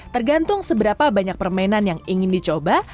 tergantung seberapa banyak permainan yang ingin dicoba